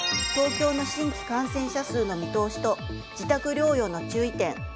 東京の新規感染者数の見通しと自宅療養の注意点。